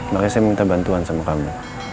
makanya saya minta bantuan sama kamu